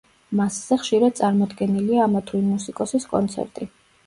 მასზე ხშირად წარმოდგენილია ამა თუ იმ მუსიკოსის კონცერტი.